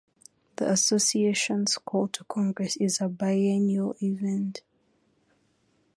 The association's Call to Congress is a biennial event.